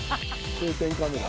定点カメラ。